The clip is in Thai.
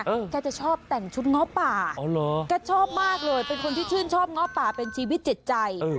แกจะชอบแต่งชุดง้อป่าอ๋อเหรอแกชอบมากเลยเป็นคนที่ชื่นชอบง้อป่าเป็นชีวิตจิตใจ